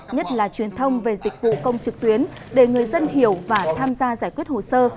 nhất là truyền thông về dịch vụ công trực tuyến để người dân hiểu và tham gia giải quyết hồ sơ